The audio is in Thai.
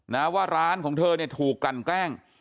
นะว่าร้านของเธอเนี่ยถูกกลั่นแกล้ง